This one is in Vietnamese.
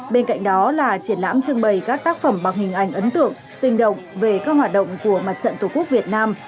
bên cạnh đó là triển lãm trưng bày các tác phẩm bằng hình ảnh ấn tượng sinh động về các hoạt động của mặt trận tổ quốc việt nam